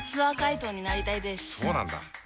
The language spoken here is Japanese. そうなんだ。